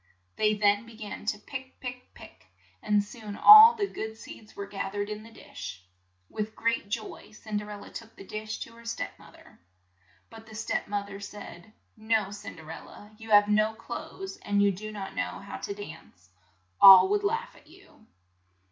They then be gan, pick, pick, pick, and soon all the good seeds were gath ered in the dish. With great joy Cin der el la took the dish to her step moth er. But the step moth er said, "No Cin der el la, you have no clothes and you do not know how to dance. All would laugh at you."